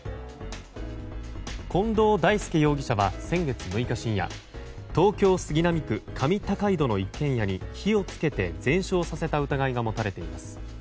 近藤大輔容疑者は先月６日深夜東京・杉並区上高井戸の一軒家に火をつけて全焼させた疑いが持たれています。